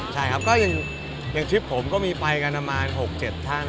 ชิปผมก็มีไปกับนามาร๖๗ท่าน